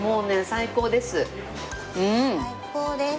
最高です。